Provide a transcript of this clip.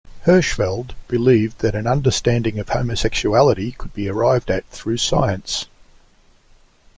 Hirschfeld believed that an understanding of homosexuality could be arrived at through science.